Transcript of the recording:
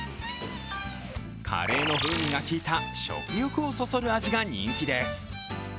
カレーの風味がきいた食欲をそそる味が人気です。